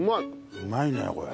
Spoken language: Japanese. うまいねこれ。